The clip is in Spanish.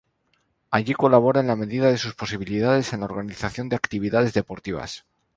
Allí colabora en la medida de sus posibilidades en la organización de actividades deportivas.